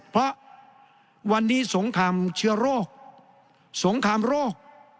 เพราะวันนี้สงครามเชื้อโรคสงครามโรค